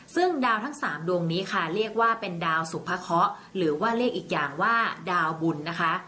ซึ่งดาวทั้ง๓ดวงนี้ค่ะเรียกว่าเป็นดาวสุภเคาะหรือว่าเรียกอีกอย่างว่าดาวบุญนะคะ